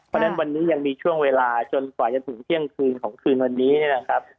เพราะฉะนั้นวันนี้ยังมีช่วงเวลาจนกว่าจะถึงเที่ยงคืนของคืนวันนี้เนี่ยนะครับ